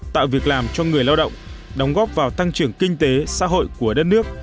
tạo việc làm cho người lao động đóng góp vào tăng trưởng kinh tế xã hội của đất nước